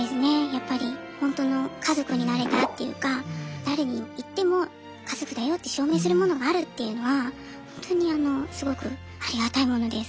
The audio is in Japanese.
やっぱり本当の家族になれたっていうか誰に言っても家族だよって証明するものがあるっていうのはほんとにすごくありがたいものです。